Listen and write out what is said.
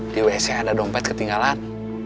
di wc ada dompet ketinggalan